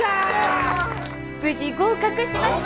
無事合格しました！